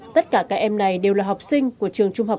tất cả các em này đều là học sinh của trường trung học